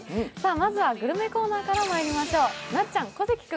まずは、グルメコーナーからまいりましょう。